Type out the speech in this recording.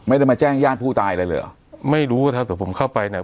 ไม่ได้มาแจ้งญาติผู้ตายอะไรเลยเหรอไม่รู้ถ้าเกิดผมเข้าไปเนี่ย